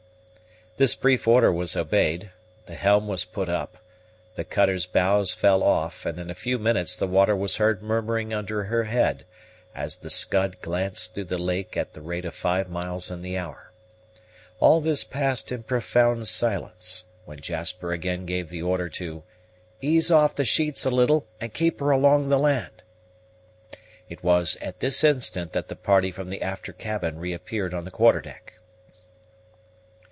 This brief order was obeyed; the helm was put up, the cutter's bows fell off, and in a few minutes the water was heard murmuring under her head, as the Scud glanced through the lake at the rate of five miles in the hour. All this passed in profound silence, when Jasper again gave the order to "ease off the sheets a little and keep her along the land." It was at this instant that the party from the after cabin reappeared on the quarter deck.